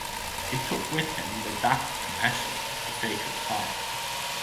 He took with him the dust and ashes of the sacred fire.